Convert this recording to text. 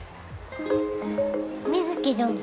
美月どの。